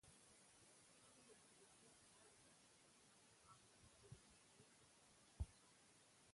د پښتو ژبې د بشپړتیا سره، د پښتنو آنلاین ټولنیزې اړیکې پراخه شي.